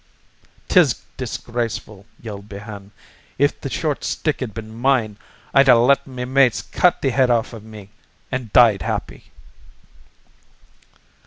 "'Tis disgraceful!" yelled Behane. "If the short stick'd ben mine, I'd a let me mates cut the head off iv me an' died happy."